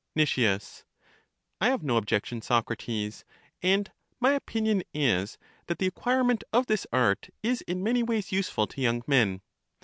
Nic, I have no objection, Socrates; and my opin ion is that the acquirement of this art is in many ways useful to young men.